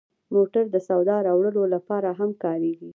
موټر د سودا راوړلو لپاره هم کارېږي.